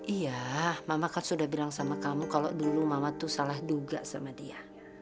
iya mama kan sudah bilang sama kamu kalau dulu mama tuh salah duga sama dia